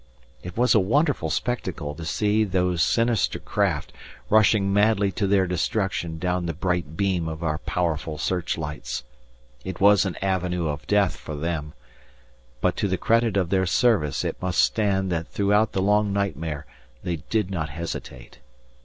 It was a wonderful spectacle to see those sinister craft, rushing madly to their destruction down the bright beam of our powerful searchlights. It was an avenue of death for them, but to the credit of their Service it must stand that throughout the long nightmare they did not hesitate.